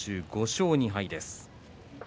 ５勝２敗です。